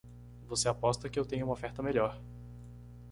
Você aposta que eu tenho uma oferta melhor.